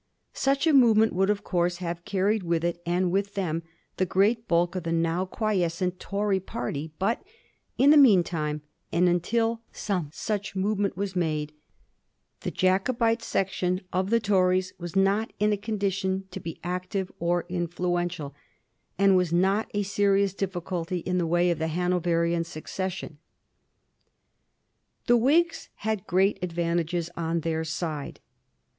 Such a movement would of course have carried with it and with them the great bulk of the now quiescent Tory party, but in the meantime, and until some such movement was made, the Jacobite section of the Tories was not in a condition to be active or influential, and was not a serious difficulty in the way of the Hanoverian succession. The Whigs had great advantages on their side.